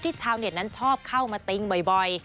ที่ชาวเนียนที่ชอบเข้ามาติ้งบ่อย